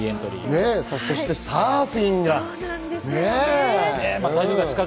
そしてサーフィンが。